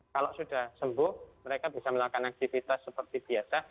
kalau sudah sembuh mereka bisa melakukan aktivitas seperti biasa